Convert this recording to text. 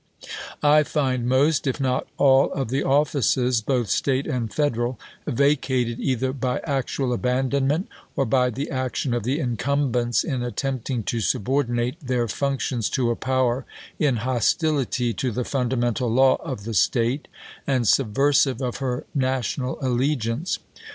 ,. I find most, if not all of the offices, both State and Federal, vacated either by actual abandonment, or by the action of the incumbents in attempting to subordinate their functions to a power in hostility to the fundamental law of the State, and subversive of her national allegiance.